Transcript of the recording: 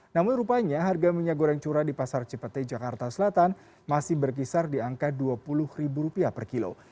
namun rupanya harga minyak goreng curah di pasar cipete jakarta selatan masih berkisar di angka rp dua puluh per kilo